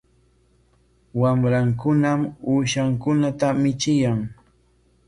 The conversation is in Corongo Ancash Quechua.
Wamrankunam uushankunata michiyan.